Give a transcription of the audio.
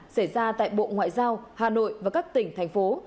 xảy ra tại bộ ngoại giao hà nội và các tỉnh thành phố